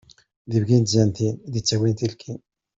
D ibki n tzantin, i yettanin tilkin.